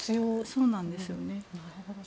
そうなんですよね。